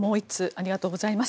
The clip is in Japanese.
ありがとうございます。